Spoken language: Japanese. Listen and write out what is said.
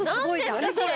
何これ。